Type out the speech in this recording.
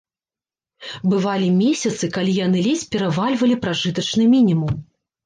Бывалі месяцы, калі яны ледзь перавальвалі пражытачны мінімум.